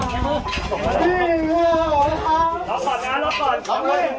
โห้ขุนชนะ